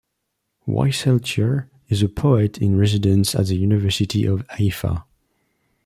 Wieseltier is a poet in residence at the University of Haifa.